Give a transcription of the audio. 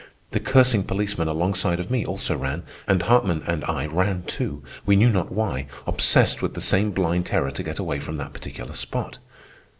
The cursing policeman alongside of me also ran, and Hartman and I ran, too, we knew not why, obsessed with the same blind terror to get away from that particular spot.